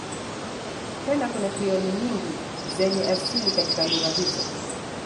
Tena kuna Krioli nyingi zenye asili katika lugha hizo.